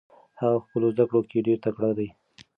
هغه په خپلو زده کړو کې ډېر تکړه دی.